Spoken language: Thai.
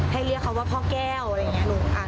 เรียกเขาว่าพ่อแก้วอะไรอย่างนี้